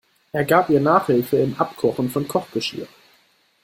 Er gab ihr Nachhilfe im Abkochen von Kochgeschirr.